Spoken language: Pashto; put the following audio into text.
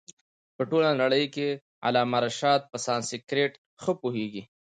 په ټوله نړۍ کښي علامه رشاد په سانسکرېټ ښه پوهيږي.